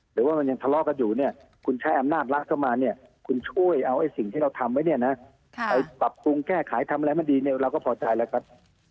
หรือว่ามันยังทะเลาะกันอยู่คุณใช้อำนาจรักษ์เข้ามาคุณช่วยเอาสิ่งที่เราทำไว้ไปปรับปรุงแก้ไขทำอะไรมันดีเราก็พอใจแล้วครับ